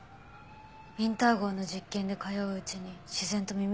ウィンター号の実験で通ううちに自然と耳にしました。